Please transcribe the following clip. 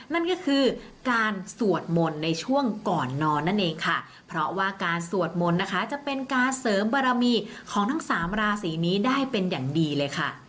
นั่นก็คือการสวดมนต์ในช่วงก่อนนอนนั่นเองค่ะเพราะว่าการสวดมนต์นะคะจะเป็นการเสริมบารมีของทั้งสามราศีนี้ได้เป็นอย่างดีเลยค่ะ